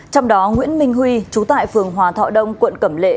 trong đó nguyễn minh huy chú tại phường hòa thọ đông quận cẩm lệ